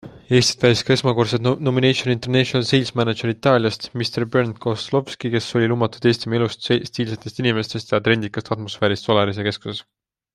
Eestit väisas ka esmakordselt Nomination International Sales Manager Itaaliast, Mr. Bernd Kozlowski, kes oli lummatud Eestimaa ilust, stiilsetest inimestest ja trendikast atmosfäärist Solarise keskuses.